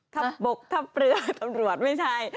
บกทัพเรือตำรวจไม่ใช่